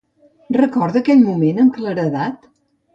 Recorda aquell moment amb claredat?